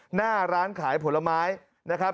หน้าร้านขายผลไม้นะครับ